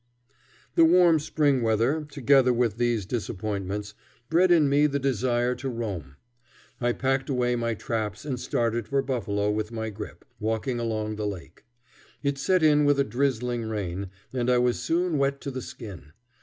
The warm spring weather, together with these disappointments, bred in me the desire to roam. I packed away my traps and started for Buffalo with my grip, walking along the lake. It set in with a drizzling rain, and I was soon wet to the skin.